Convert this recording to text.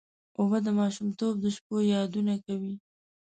اوبه د ماشومتوب د شپو یادونه کوي.